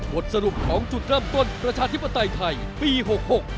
บทสรุปของจุดเริ่มต้นประชาธิปไตยไทยปีหกหก